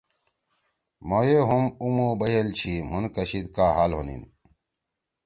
مھوئے ہم اُمُو بَئِل چھی مھون کشید کا حال ہونیین